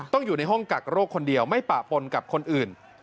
อยู่ในห้องกักโรคคนเดียวไม่ปะปนกับคนอื่น